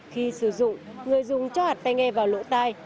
khi sử dụng người dùng cho hạt tay nghe vào lỗ tai